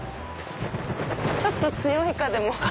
ちょっと強いかでも。